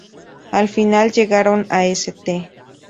Al final, llegaron a St.